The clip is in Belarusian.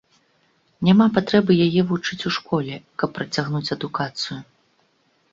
Няма патрэбы яе вучыць у школе, каб працягнуць адукацыю.